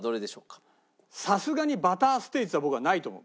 さすがにバターステイツは僕はないと思う。